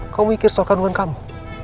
kau mikir soal kandungan kamu